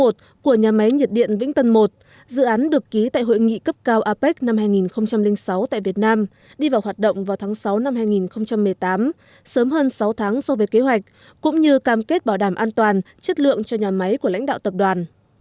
tầng một dự án được ký tại hội nghị cấp cao apec năm hai nghìn sáu tại việt nam đi vào hoạt động vào tháng sáu năm hai nghìn một mươi tám sớm hơn sáu tháng so với kế hoạch cũng như cam kết bảo đảm an toàn chất lượng cho nhà máy của lãnh đạo tập đoàn